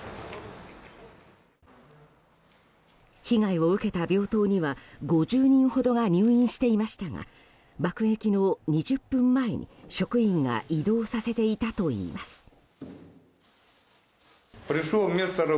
被害を受けた病棟には５０人ほどが入院していましたが爆撃の２０分前に、職員が移動させていたといいます。